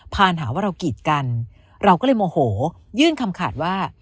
ผ่านหาว่าเรากีดกันเราก็เลยโมโหยื่นคำขาดว่า